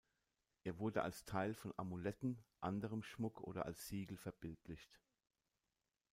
Er wurde als Teil von Amuletten, anderem Schmuck oder als Siegel verbildlicht.